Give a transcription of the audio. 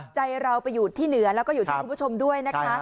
ใจเราไปอยู่ที่เหนือแล้วก็อยู่ที่คุณผู้ชมด้วยนะคะ